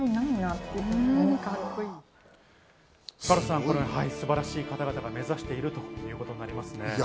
加藤さん、素晴らしい方々が目指しているということになりますね。